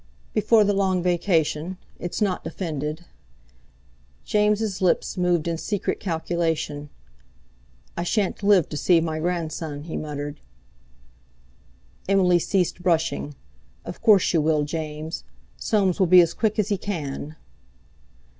"Before the Long Vacation; it's not defended." James' lips moved in secret calculation. "I shan't live to see my grandson," he muttered. Emily ceased brushing. "Of course you will, James. Soames will be as quick as he can."